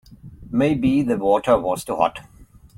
Maybe the water was too hot.